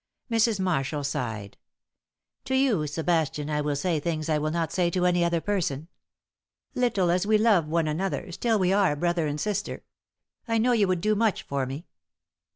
Mrs. Marshall sighed. "To you, Sebastian, I will say things I would not say to any other person. Little as we love one another, still we are brother and sister. I know you would do much for me."